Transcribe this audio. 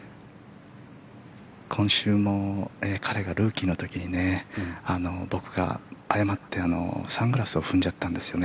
今週も、彼がルーキーの時に僕が誤ってサングラスを踏んじゃったんですよね。